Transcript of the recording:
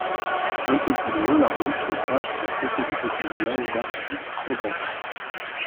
Un peu plus loin, la route passe à côté du petit village d’Artigues-Campan.